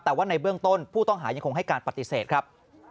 แต่ว่าในเบื้องต้นผู้ต้องหายังคงให้การปฏิเสธครับ